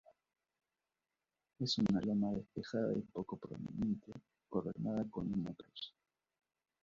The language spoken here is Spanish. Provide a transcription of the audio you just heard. Es una loma despejada y poco prominente coronada con una cruz.